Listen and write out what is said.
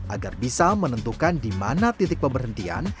agar bisa menentukan di mana titik pemberhentian